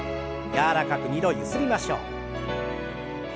柔らかく２度ゆすりましょう。